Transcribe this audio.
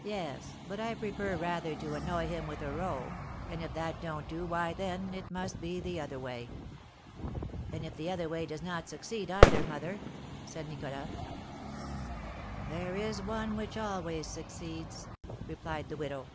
"Yes, but I prefer rather to annoy him with a row; and, if that don't do, why, then, it must be the other way." "And if the other way does not succeed, either, mother?" said Nicholas. "There is one which always succeeds," replied the widow.